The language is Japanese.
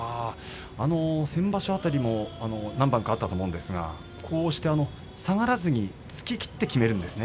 先場所辺りも何番かあったと思うんですが下がらずに突ききって決めるんですね。